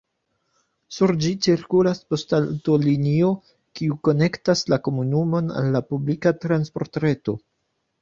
Sur ĝi cirkulas poŝtaŭtolinio, kiu konektas la komunumon al la publika transportreto.